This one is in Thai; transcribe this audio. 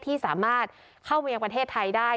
ที่สามารถเข้ามายังประเทศไทยได้